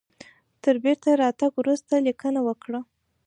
تر بیرته راتګ وروسته لیکنه وکړه.